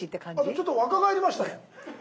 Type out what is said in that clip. ちょっと若返りましたね。